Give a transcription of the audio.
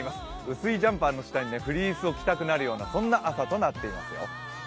薄いジャンパーの下にフリースを着たくなるようなそんな朝となっていますよ。